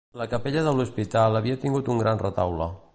La capella de l'Hospital havia tingut un gran retaule.